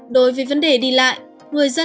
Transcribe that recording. đối với vấn đề đi lại